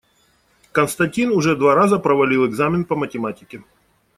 Константин уже два раза провалил экзамен по математике.